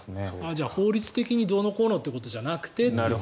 じゃあ法律的にどうのこうのってことじゃなくてと。